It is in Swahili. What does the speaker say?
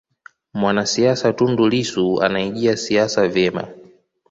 mwanasiasa tundu lissu anaijia siasa vyema